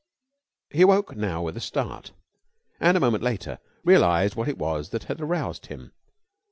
He awoke now with a start, and a moment later realized what it was that had aroused him.